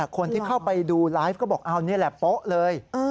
คนที่เข้าไปดูไลฟ์ก็บอกเอานี่แหละโป๊ะเลย